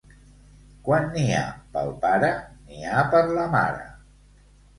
Quan n'hi ha pel pare, n'hi ha per la mare.